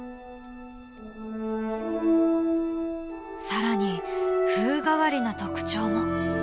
更に風変わりな特徴も。